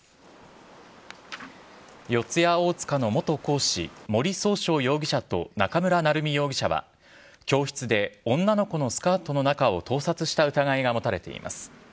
四谷大塚の元講師、森崇翔容疑者と中村成美容疑者は、教室で女の子のスカートの中を盗撮した疑いが持たれています。